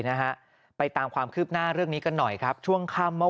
นะฮะไปตามความคืบหน้าเรื่องนี้กันหน่อยครับช่วงค่ำเมื่อ